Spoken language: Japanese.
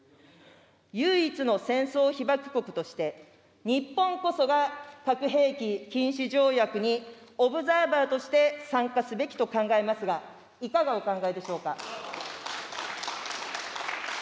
唯一の戦争被爆国として、日本こそが核兵器禁止条約にオブザーバーとして参加すべきと考えますが、いかがお考えでしょうか。